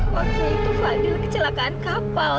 waktu itu fadil kecelakaan kapal